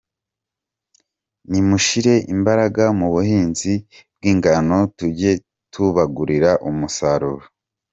Nimushire imbaraga mu buhinzi bw’ingano, tujye tubagurira umusaruro.